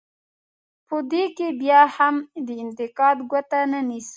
په دې کې بیا هم د انتقاد ګوته نه نیسو.